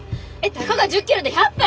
たかが１０ｋｍで１００分！？